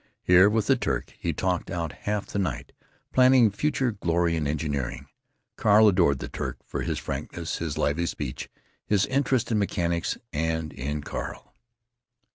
Here, with the Turk, he talked out half the night, planning future glory in engineering. Carl adored the Turk for his frankness, his lively speech, his interest in mechanics—and in Carl.